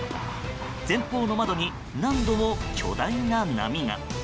前方の窓に何度も巨大な波が。